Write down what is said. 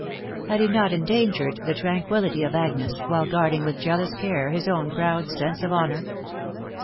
Had he not endan gered the tranquillity of Agnes, while guarding with jealous care bis own proud sense of honour